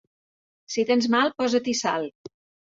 Si tens mal, posa-t'hi sal.